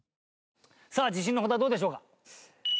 さあ自信のほどはどうでしょうか？